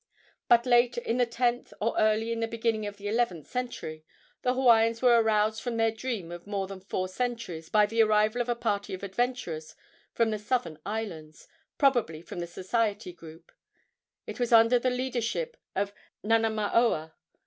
But late in the tenth or early in the beginning of the eleventh century the Hawaiians were aroused from their dream of more than four centuries by the arrival of a party of adventurers from the southern islands, probably from the Society group. It was under the leadership of Nanamaoa.